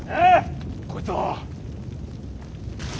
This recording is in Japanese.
こいつは！